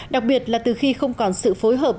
đặc biệt là từ khi không còn sự phối hợp